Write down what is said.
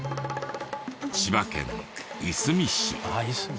千葉県いすみ市。